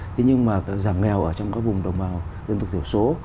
thế nhưng mà giảm nghèo ở trong các vùng đồng bào dân tộc thiểu số